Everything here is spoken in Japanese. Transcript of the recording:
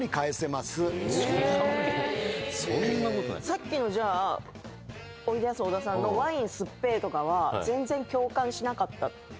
さっきのおいでやす小田さんの「ワインすっぺえ」とかは全然共感しなかったってこと？